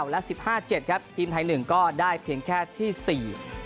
๒๑๑๙และ๑๕๗ครับทีมไทยหนึ่งก็ได้เพียงแค่ที่๔